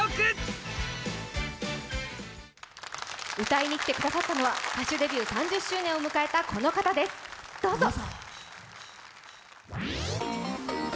歌いにきてくださったのは歌手デビュー３０周年を迎えたこの方です、どうぞ。